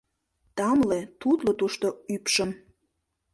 Тамле, тутло тушто ӱпшым